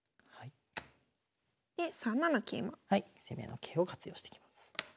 攻めの桂を活用してきます。